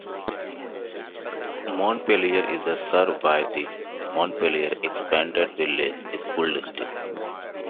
Montpelier is served by the Montpelier Exempted Village School District.